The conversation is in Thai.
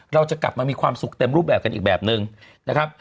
เราจะกลับมามีความสุขเต็มรูปแบบกันอีกแบบนึงนะครับ